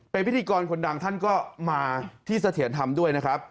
เป็นพิธีกรคนดังท่านก็มาที่เสถียรธรรมด้วยนะครับ